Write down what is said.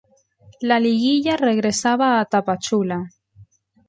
La liguilla regresaba a Tapachula.